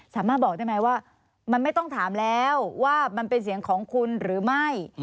สามารถบอกได้ไหมว่ามันไม่ต้องถามแล้วว่ามันเป็นเสียงของคุณหรือไม่